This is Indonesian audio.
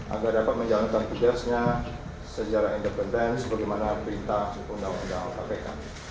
agar dapat menjalankan tugasnya secara independen sebagaimana perintah undang undang kpk